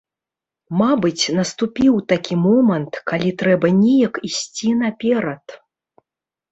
Мабыць, наступіў такі момант, калі трэба неяк ісці наперад.